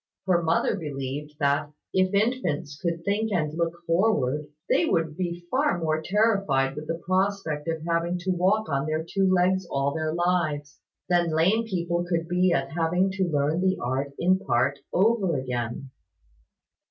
Her mother believed that, if infants could think and look forward, they would be far more terrified with the prospect of having to walk on their two legs all their lives, than lame people could be at having to learn the art in part over again.